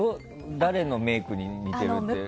誰のメイクに似てるって？